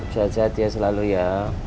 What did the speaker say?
sehat sehat ya selalu ya